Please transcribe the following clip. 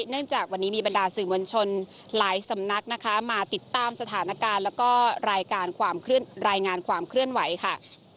จากวันนี้มีบรรดาสื่อมวลชนหลายสำนักนะคะมาติดตามสถานการณ์แล้วก็รายการความรายงานความเคลื่อนไหวค่ะ